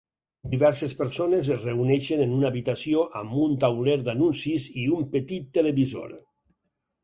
Diverses persones es reuneixen en una habitació amb un tauler d'anuncis i un petit televisor.